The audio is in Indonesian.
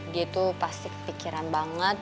dia tuh pasti kepikiran banget